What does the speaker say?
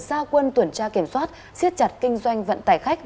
gia quân tuần tra kiểm soát siết chặt kinh doanh vận tải khách